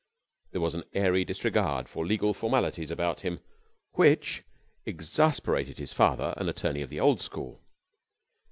There was an airy disregard for legal formalities about him which exasperated his father, an attorney of the old school.